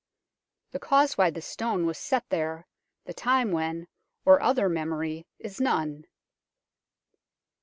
The cause why this stone was set there, the time when, or other memory is none."